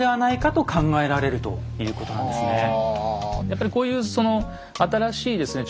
やっぱりこういうその新しいですね